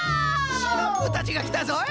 シナプーたちがきたぞい！